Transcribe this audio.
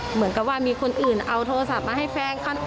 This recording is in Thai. เหมือนกับว่ามีคนอื่นเอาโทรศัพท์มาให้แฟน